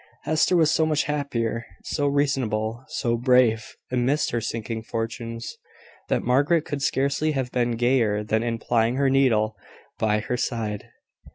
Hester was so much happier, so reasonable, so brave, amidst her sinking fortunes, that Margaret could scarcely have been gayer than in plying her needle by her side.